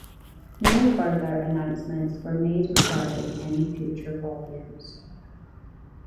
No further announcements were made regarding any future volumes.